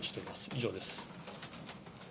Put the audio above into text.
以上です。